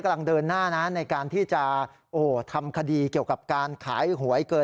กำลังเดินหน้านะในการที่จะทำคดีเกี่ยวกับการขายหวยเกิน